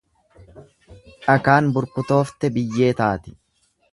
Dhakaan burkutoofte biyyee taati.